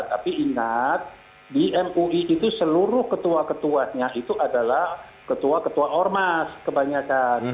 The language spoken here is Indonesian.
tapi ingat di mui itu seluruh ketua ketuanya itu adalah ketua ketua ormas kebanyakan